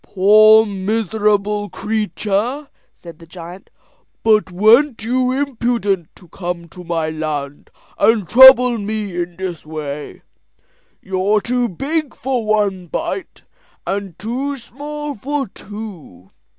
"Poor miserable creature!" said the giant; "but weren't you impudent to come to my land and trouble me in this way? You're too big for one bite, and too small for two.